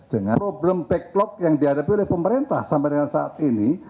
dengan problem backlog yang dihadapi oleh pemerintah sampai dengan saat ini